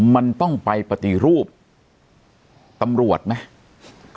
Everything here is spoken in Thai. มันต้องไปปฏิรูปตำรวจไหม